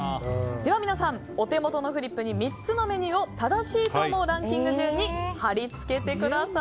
皆さん、お手元のフリップに３つのメニューを正しいと思うランキング順に貼り付けてください。